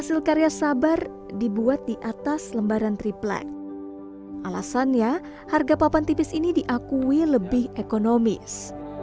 hasil karya sabar dibuat di atas lembaran triplek alasannya harga papan tipis ini diakui lebih ekonomis